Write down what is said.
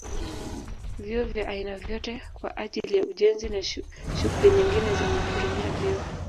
Vioo vya aina vyote kwa ajili ya ujenzi na shughuli nyingine zenye kutumia vioo